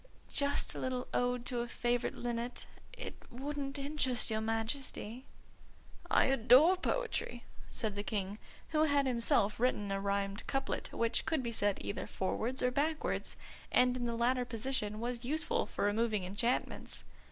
"Just a little ode to a favourite linnet. It wouldn't interest your Majesty." "I adore poetry," said the King, who had himself written a rhymed couplet which could be said either forwards or backwards, and in the latter position was useful for removing enchantments.